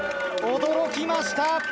驚きました。